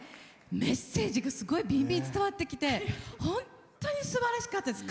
メッセージがすごいびんびん伝わってきて本当にすばらしかったです。